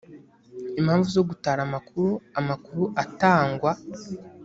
mpamvu zo gutara amakuru amakuru atangwa